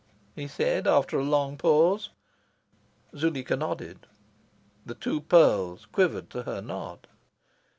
he said, after a long pause. Zuleika nodded. The two pearls quivered to her nod.